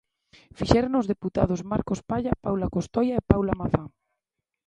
Fixérono os deputados Marcos Palla, Paula Costoia e Paula Mazá.